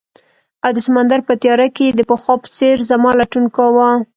او د سمندر په تیاره کې یې د پخوا په څیر زما لټون کاؤه